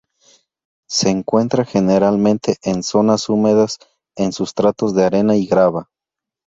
Se encuentra generalmente en zonas húmedas en sustratos de arena y grava.